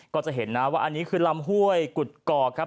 ก็จะเห็นนะว่าอันนี้คือลำห้วยกุฎกอกครับ